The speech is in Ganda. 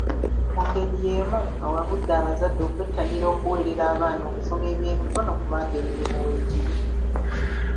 Mu ngeri y'emu, awabudde abazadde okwettanira okuweerera abaana okusoma eby'emikono kubanga emirimu weegiri.